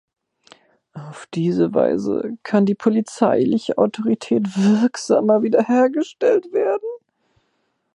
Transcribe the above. Auf diese Weise kann die polizeiliche Autorität wirksamer wiederhergestellt werden.